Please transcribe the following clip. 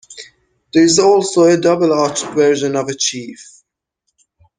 There is also a double-arched version of a chief.